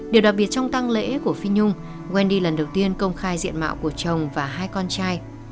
điều đặc biệt trong tăng lễ của phi nhung wendy lần đầu tiên công khai diện mạo của chồng và hai con trai